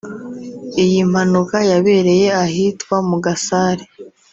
Iyi mpanuka yabereye ahitwa mu Gasare